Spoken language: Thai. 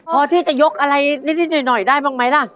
พอที่จะยกอะไรนิดหน่อยได้บ้างไหมล่ะ